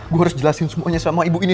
gue harus jelasin semuanya sama ibu ini